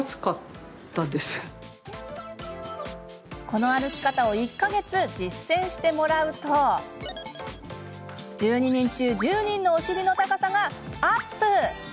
この歩き方を１か月実践してもらうと１２人中１０人のお尻の高さがアップ！